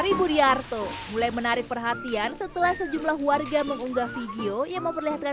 tribudiarto mulai menarik perhatian setelah sejumlah warga mengunggah video yang memperlihatkan